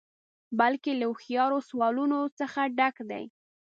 بلکې له هوښیارو سوالونو څخه ډک دی.